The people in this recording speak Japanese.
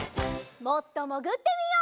もっともぐってみよう。